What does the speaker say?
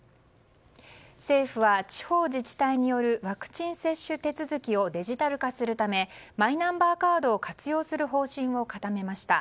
政府は地方自治体によるワクチン接種手続きをデジタル化するためマイナンバーカードを活用する方針を固めました。